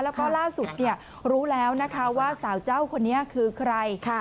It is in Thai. แล้วก็ล่าสุดรู้แล้วนะคะว่าสาวเจ้าคนนี้คือใคร